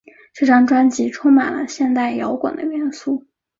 这张专辑充满了现代摇滚的元素。